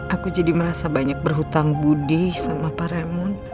aku jadi merasa banyak berhutang budi sama pak raymond